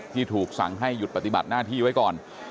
ที่ถูกสั่งให้หยุดปฏิบัติหน้าที่ไว้ก่อน